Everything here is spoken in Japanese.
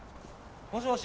もしもし？